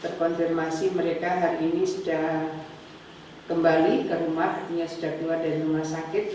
terkonfirmasi mereka hari ini sudah kembali ke rumah artinya sudah keluar dari rumah sakit